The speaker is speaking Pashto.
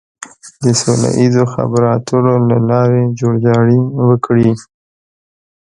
د سوله ييزو خبرو اترو له لارې جوړجاړی وکړي.